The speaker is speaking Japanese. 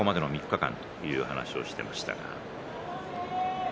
ここまでの３日間という話をしています。